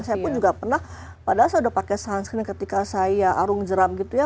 saya pun juga pernah padahal saya sudah pakai sunscreen ketika saya arung jeram gitu ya